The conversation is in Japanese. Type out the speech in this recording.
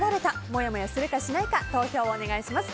もやもやするか、しないか投票をお願いします。